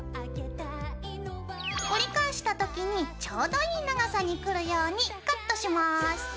折り返した時にちょうどいい長さにくるようにカットします。